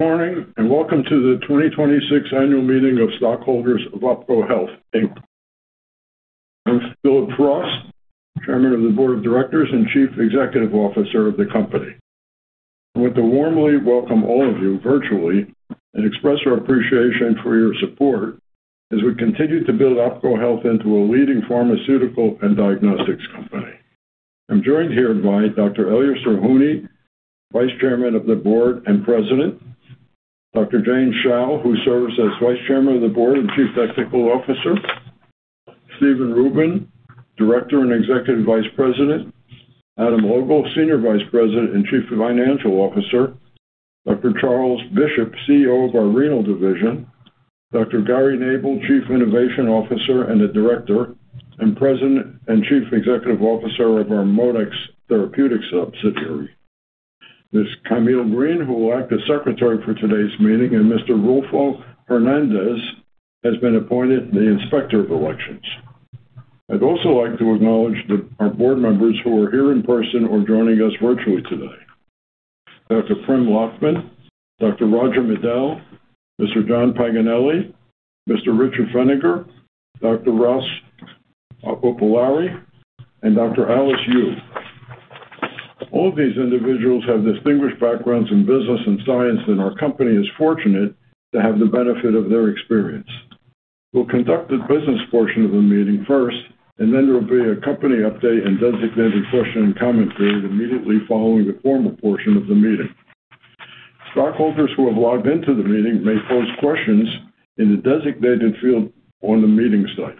Morning. Welcome to the 2026 annual meeting of stockholders of OPKO Health, Inc. I'm Phillip Frost, Chairman of the Board of Directors and Chief Executive Officer of the company. I want to warmly welcome all of you virtually and express our appreciation for your support as we continue to build OPKO Health into a leading pharmaceutical and diagnostics company. I'm joined here by Dr. Elias Zerhouni, Vice Chairman of the Board and President. Dr. Jane Hsiao, who serves as Vice Chairman of the Board and Chief Technical Officer. Steven Rubin, Director and Executive Vice President. Adam Logal, Senior Vice President and Chief Financial Officer. Dr. Charles Bishop, CEO of our renal division. Dr. Gary Nabel, Chief Innovation Officer and a Director, and President and Chief Executive Officer of our ModeX Therapeutics subsidiary. Ms. Camielle Green, who will act as secretary for today's meeting, and Mr. Rulfo Hernandez has been appointed the inspector of elections. I'd also like to acknowledge our board members who are here in person or joining us virtually today. Dr. Prem Lachman, Dr. Roger Medel, Mr. John Paganelli, Mr. Richard Pfenniger, Dr. Rao Uppaluri, and Dr. Alice Yu. All of these individuals have distinguished backgrounds in business and science. Our company is fortunate to have the benefit of their experience. We'll conduct the business portion of the meeting first. Then there will be a company update and designated question and comment period immediately following the formal portion of the meeting. Stockholders who have logged into the meeting may pose questions in the designated field on the meeting site.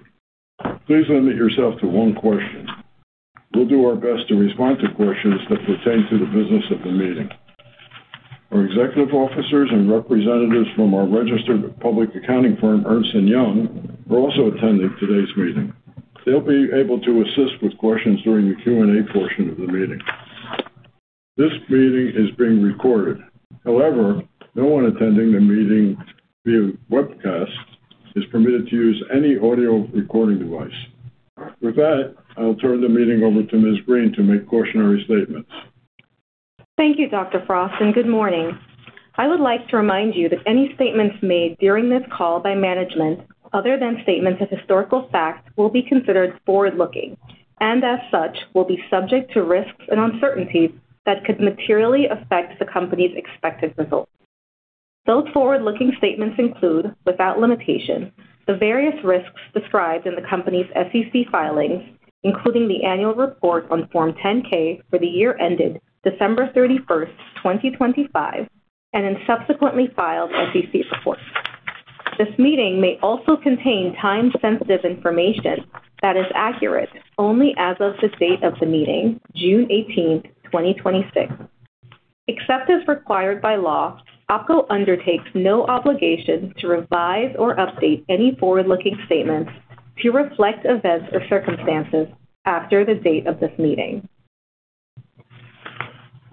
Please limit yourself to one question. We'll do our best to respond to questions that pertain to the business of the meeting. Our executive officers and representatives from our registered public accounting firm, Ernst & Young, are also attending today's meeting. They'll be able to assist with questions during the Q&A portion of the meeting. This meeting is being recorded. However, no one attending the meeting via webcast is permitted to use any audio recording device. With that, I'll turn the meeting over to Ms. Green to make cautionary statements. Thank you, Dr. Frost, and good morning. I would like to remind you that any statements made during this call by management, other than statements of historical fact, will be considered forward-looking, and as such, will be subject to risks and uncertainties that could materially affect the company's expected results. Those forward-looking statements include, without limitation, the various risks described in the company's SEC filings, including the annual report on Form 10-K for the year ended December 31st, 2025, and in subsequently filed SEC reports. This meeting may also contain time-sensitive information that is accurate only as of the date of the meeting, June 18th, 2026. Except as required by law, OPKO undertakes no obligation to revise or update any forward-looking statements to reflect events or circumstances after the date of this meeting.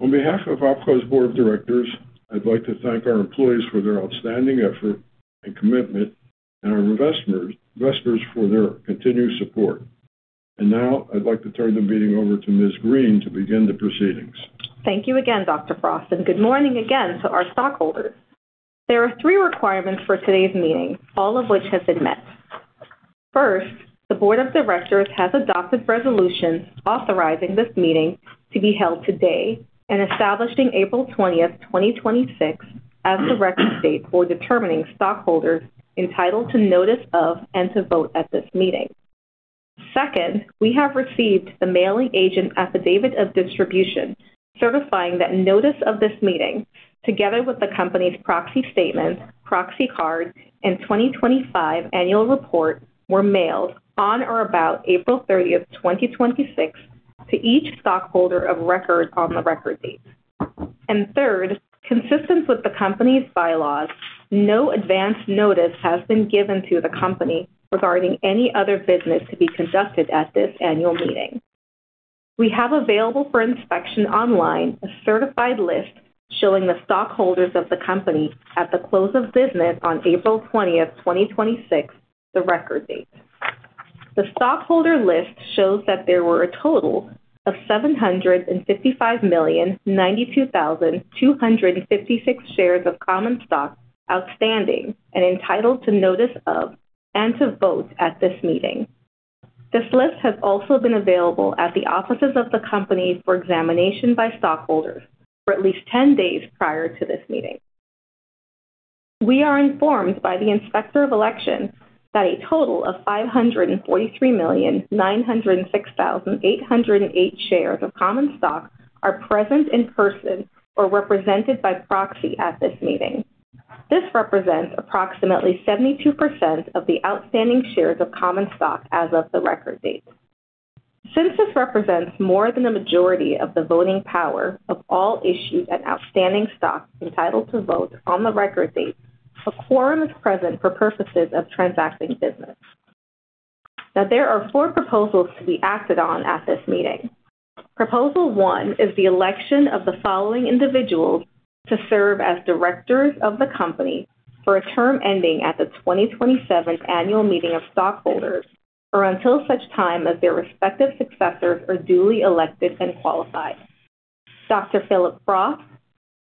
On behalf of OPKO's Board of Directors, I'd like to thank our employees for their outstanding effort and commitment, and our investors for their continued support. Now, I'd like to turn the meeting over to Ms. Green to begin the proceedings. Thank you again, Dr. Frost, good morning again to our stockholders. There are three requirements for today's meeting, all of which have been met. First, the board of directors has adopted resolutions authorizing this meeting to be held today and establishing April 20th, 2026, as the record date for determining stockholders entitled to notice of and to vote at this meeting. Second, we have received the mailing agent affidavit of distribution certifying that notice of this meeting, together with the company's proxy statement, proxy card, and 2025 annual report were mailed on or about April 30th, 2026, to each stockholder of record on the record date. Third, consistent with the company's bylaws, no advance notice has been given to the company regarding any other business to be conducted at this annual meeting. We have available for inspection online a certified list showing the stockholders of the company at the close of business on April 20th, 2026, the record date. The stockholder list shows that there were a total of 755,092,256 shares of common stock outstanding and entitled to notice of and to vote at this meeting. This list has also been available at the offices of the company for examination by stockholders for at least 10 days prior to this meeting. We are informed by the Inspector of Election that a total of 543,906,808 shares of common stock are present in person or represented by proxy at this meeting. This represents approximately 72% of the outstanding shares of common stock as of the record date. Since this represents more than a majority of the voting power of all issued and outstanding stock entitled to vote on the record date, a quorum is present for purposes of transacting business. There are four proposals to be acted on at this meeting. Proposal one is the election of the following individuals to serve as directors of the company for a term ending at the 2027 annual meeting of stockholders. Or until such time that their respective successors are duly elected and qualified. Dr. Phillip Frost,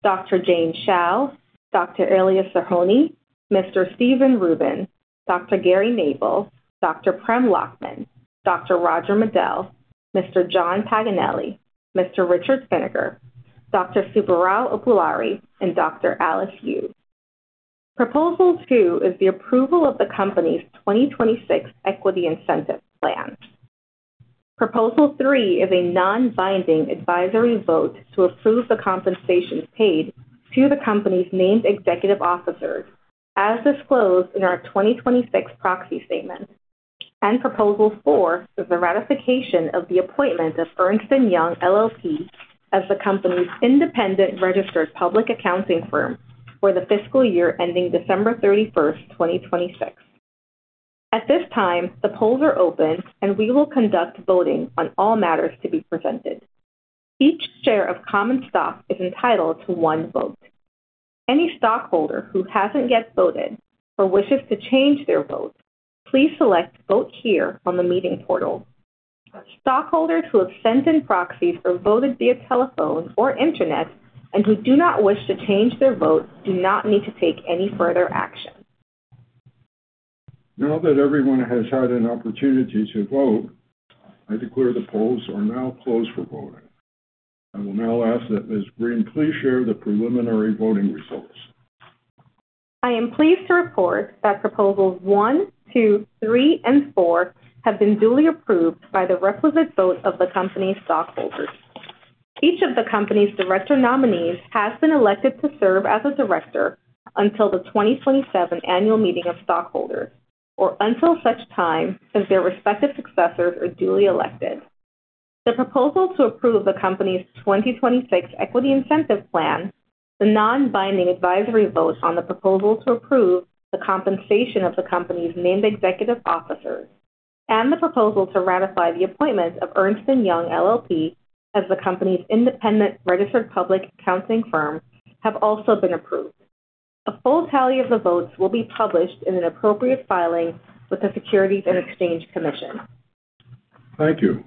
Dr. Jane Hsiao, Dr. Elias Zerhouni, Mr. Steven Rubin, Dr. Gary Nabel, Dr. Prem Lachman, Dr. Roger Medel, Mr. John Paganelli, Mr. Richard Pfenniger, Dr. Subbarao Uppaluri, and Dr. Alice Yu. Proposal two is the approval of the company's 2026 equity incentive plan. Proposal three is a non-binding advisory vote to approve the compensation paid to the company's named executive officers, as disclosed in our 2026 proxy statement. Proposal four is the ratification of the appointment of Ernst & Young LLP as the company's independent registered public accounting firm for the fiscal year ending December 31st, 2026. At this time, the polls are open. We will conduct voting on all matters to be presented. Each share of common stock is entitled to one vote. Any stockholder who hasn't yet voted or wishes to change their vote, please select Vote Here on the meeting portal. Stockholders who have sent in proxies or voted via telephone or internet and who do not wish to change their vote do not need to take any further action. Now that everyone has had an opportunity to vote, I declare the polls are now closed for voting. I will now ask that Ms. Green please share the preliminary voting results. I am pleased to report that proposals one, two, three, and four have been duly approved by the requisite vote of the company's stockholders. Each of the company's director nominees has been elected to serve as a director until the 2027 annual meeting of stockholders, or until such time as their respective successors are duly elected. The proposal to approve the company's 2026 equity incentive plan, the non-binding advisory vote on the proposal to approve the compensation of the company's named executive officers, and the proposal to ratify the appointment of Ernst & Young LLP as the company's independent registered public accounting firm have also been approved. A full tally of the votes will be published in an appropriate filing with the Securities and Exchange Commission. Thank you.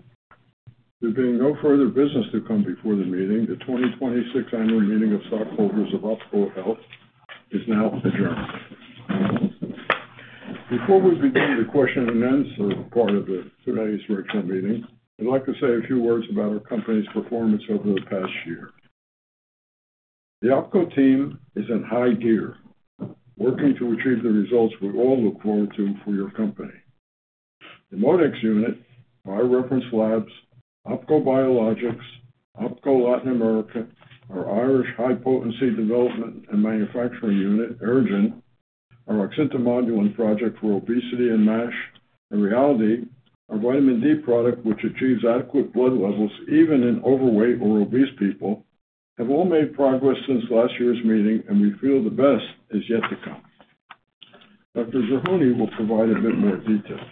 There being no further business to come before the meeting, the 2026 annual meeting of stockholders of OPKO Health is now adjourned. Before we begin the question and answer part of today's virtual meeting, I'd like to say a few words about our company's performance over the past year. The OPKO team is in high gear, working to achieve the results we all look forward to for your company. The ModeX unit, BioReference Labs, OPKO Biologics, OPKO Latin America, our Irish high potency development and manufacturing unit, EirGen, our oxyntomodulin project for obesity and MASH, and Rayaldee, our vitamin D product which achieves adequate blood levels even in overweight or obese people, have all made progress since last year's meeting. We feel the best is yet to come. Dr. Zerhouni will provide a bit more detail.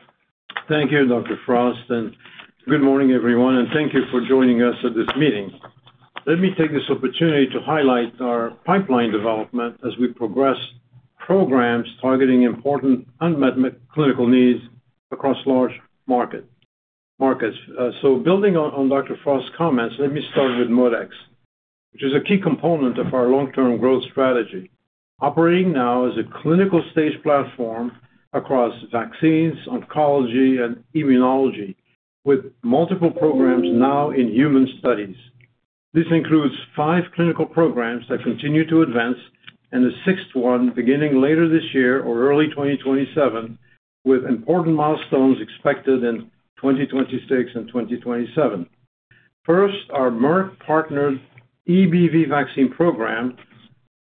Thank you, Dr. Frost, and good morning, everyone, and thank you for joining us at this meeting. Let me take this opportunity to highlight our pipeline development as we progress programs targeting important unmet medical needs across large markets. Building on Dr. Frost's comments, let me start with ModeX, which is a key component of our long-term growth strategy. Operating now as a clinical stage platform across vaccines, oncology, and immunology, with multiple programs now in human studies. This includes five clinical programs that continue to advance and a sixth one beginning later this year or early 2027, with important milestones expected in 2026 and 2027. First, our Merck-partnered EBV vaccine program,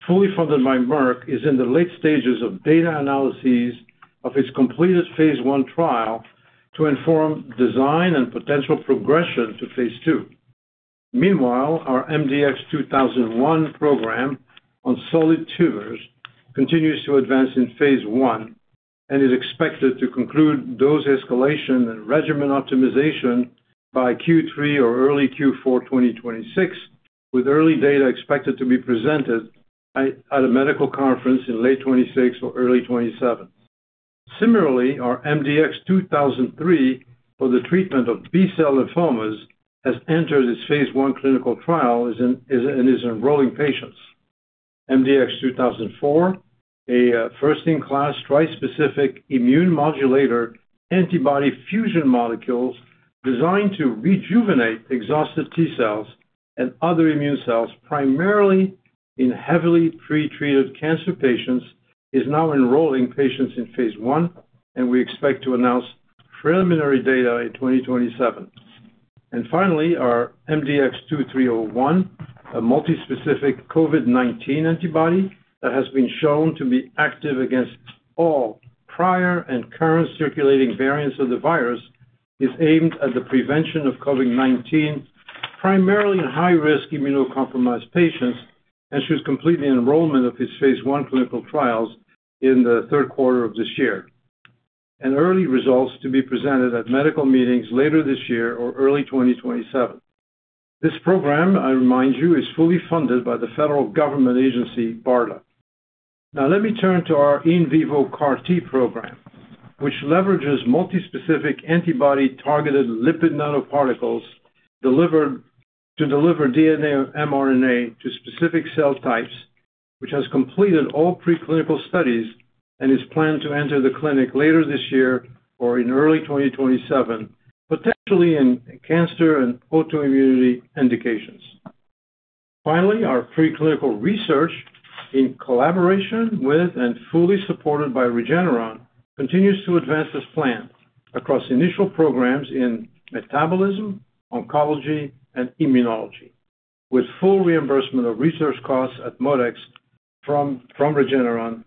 fully funded by Merck, is in the late stages of data analyses of its completed phase I trial to inform design and potential progression to phase II. Meanwhile, our MDX2001 program on solid tumors continues to advance in phase I and is expected to conclude dose escalation and regimen optimization by Q3 or early Q4 2026, with early data expected to be presented at a medical conference in late 2026 or early 2027. Similarly, our MDX2003 for the treatment of B-cell lymphomas has entered its phase I clinical trial and is enrolling patients. MDX2004, a first-in-class trispecific immune modulator antibody fusion molecules designed to rejuvenate exhausted T-cells and other immune cells, primarily in heavily pretreated cancer patients, is now enrolling patients in phase I, and we expect to announce preliminary data in 2027. Finally, our MDX2301, a multispecific COVID-19 antibody that has been shown to be active against all prior and current circulating variants of the virus, is aimed at the prevention of COVID-19, primarily in high-risk immunocompromised patients, and should complete the enrollment of its phase I clinical trials in the third quarter of this year. Early results to be presented at medical meetings later this year or early 2027. This program, I remind you, is fully funded by the federal government agency, BARDA. Let me turn to our in vivo CAR-T program, which leverages multispecific antibody-targeted lipid nanoparticles to deliver DNA mRNA to specific cell types, which has completed all preclinical studies and is planned to enter the clinic later this year or in early 2027, potentially in cancer and autoimmunity indications. Finally, our preclinical research, in collaboration with and fully supported by Regeneron, continues to advance as planned across initial programs in metabolism, oncology, and immunology, with full reimbursement of research costs at ModeX from Regeneron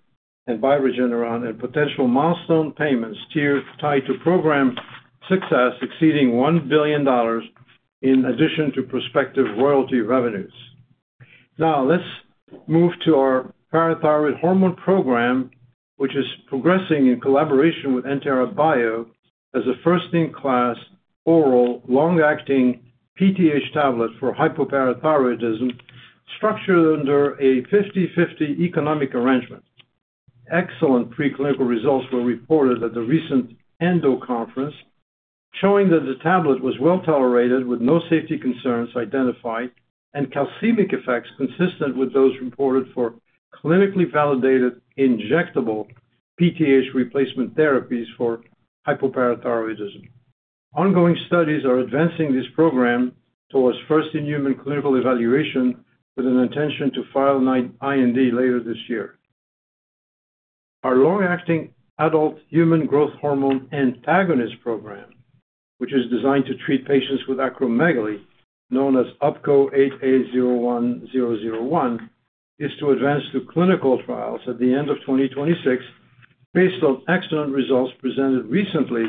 and by Regeneron, and potential milestone payments tied to program success exceeding $1 billion in addition to prospective royalty revenues. Let's move to our parathyroid hormone program, which is progressing in collaboration with Entera Bio as a first-in-class oral long-acting PTH tablet for hypoparathyroidism, structured under a 50/50 economic arrangement. Excellent preclinical results were reported at the recent ENDO conference, showing that the tablet was well-tolerated with no safety concerns identified and calcemic effects consistent with those reported for clinically validated injectable PTH replacement therapies for hypoparathyroidism. Ongoing studies are advancing this program towards first-in-human clinical evaluation with an intention to file an IND later this year. Our long-acting adult human growth hormone antagonist program, which is designed to treat patients with acromegaly, known as OPK-8801001, is to advance to clinical trials at the end of 2026 based on excellent results presented recently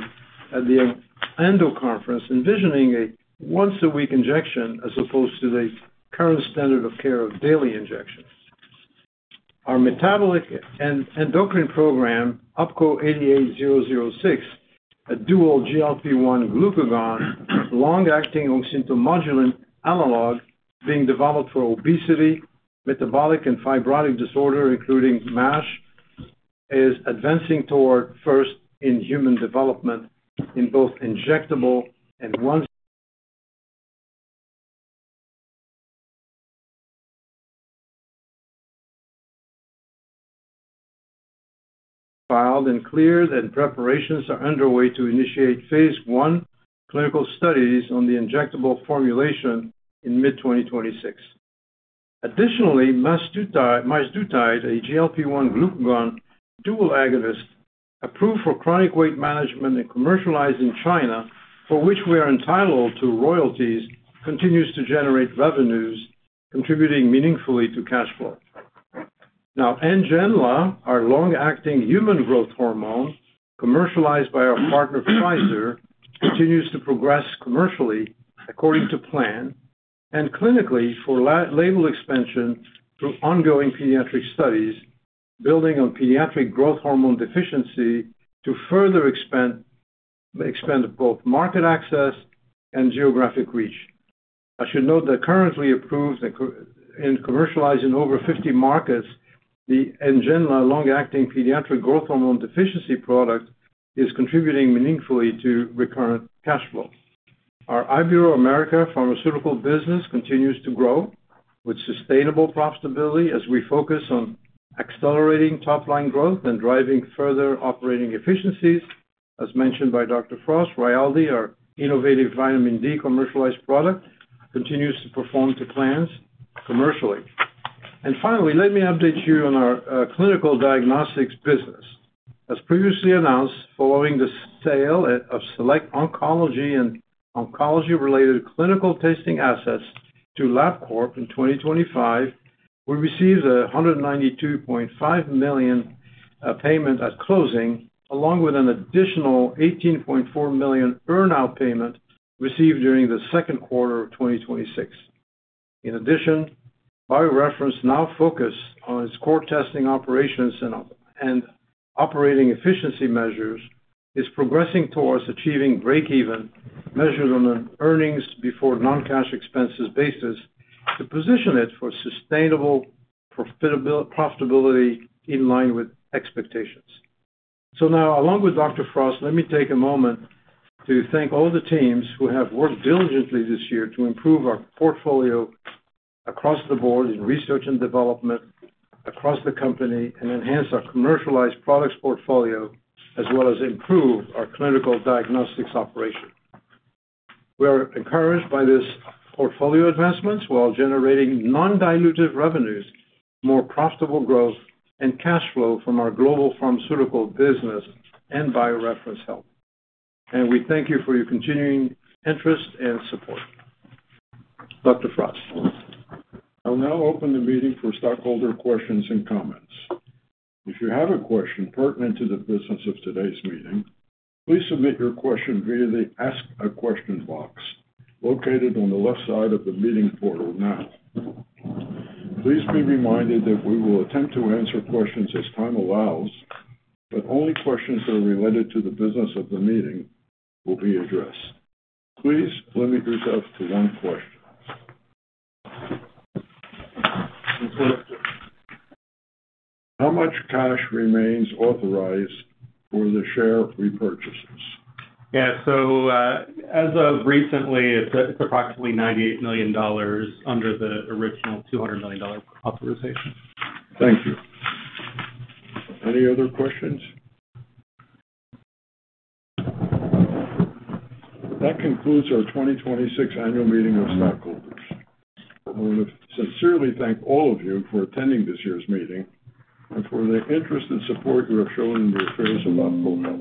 at the ENDO conference, envisioning a once-a-week injection as opposed to the current standard of care of daily injections. Our metabolic and endocrine program, OPK-88006, a dual GLP-1 glucagon long-acting oxyntomodulin analog being developed for obesity, metabolic and fibrotic disorder, including MASH, is advancing toward first in human development in both injectable and once filed and cleared. Preparations are underway to initiate phase I clinical studies on the injectable formulation in mid 2026. Mazdutide, a GLP-1 glucagon dual agonist approved for chronic weight management and commercialized in China, for which we are entitled to royalties, continues to generate revenues, contributing meaningfully to cash flow. NGENLA, our long-acting human growth hormone commercialized by our partner, Pfizer, continues to progress commercially according to plan and clinically for label expansion through ongoing pediatric studies building on pediatric growth hormone deficiency to further expand both market access and geographic reach. I should note that currently approved and commercialized in over 50 markets, the NGENLA long-acting pediatric growth hormone deficiency product is contributing meaningfully to recurrent cash flow. Our Iberoamerica pharmaceutical business continues to grow with sustainable profitability as we focus on accelerating top-line growth and driving further operating efficiencies. As mentioned by Dr. Frost, Rayaldee, our innovative vitamin D commercialized product, continues to perform to plans commercially. Finally, let me update you on our clinical diagnostics business. As previously announced, following the sale of select oncology and oncology-related clinical testing assets to Labcorp in 2025, we received $192.5 million payment at closing, along with an additional $18.4 million earn-out payment received during the second quarter of 2026. In addition, BioReference, now focused on its core testing operations and operating efficiency measures, is progressing towards achieving break even, measured on an earnings-before-non-cash-expenses basis to position it for sustainable profitability in line with expectations. Now, along with Dr. Frost, let me take a moment to thank all the teams who have worked diligently this year to improve our portfolio across the board in research and development across the company and enhance our commercialized products portfolio, as well as improve our clinical diagnostics operation. We are encouraged by this portfolio advancements while generating non-dilutive revenues, more profitable growth, and cash flow from our global pharmaceutical business and BioReference Health. We thank you for your continuing interest and support. Dr. Frost. I'll now open the meeting for stockholder questions and comments. If you have a question pertinent to the business of today's meeting, please submit your question via the Ask a Question box located on the left side of the meeting portal now. Please be reminded that we will attempt to answer questions as time allows, but only questions that are related to the business of the meeting will be addressed. Please limit yourself to one question. How much cash remains authorized for the share repurchases? Yeah, as of recently, it's approximately $98 million under the original $200 million authorization. Thank you. Any other questions? That concludes our 2026 annual meeting of stockholders. I want to sincerely thank all of you for attending this year's meeting and for the interest and support you have shown in the affairs of OPKO Health.